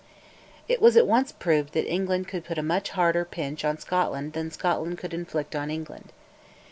It was at once proved that England could put a much harder pinch on Scotland than Scotland could inflict on England.